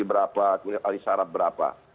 kemudian alisarab berapa